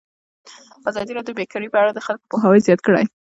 ازادي راډیو د بیکاري په اړه د خلکو پوهاوی زیات کړی.